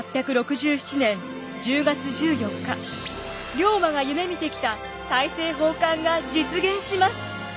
龍馬が夢みてきた大政奉還が実現します！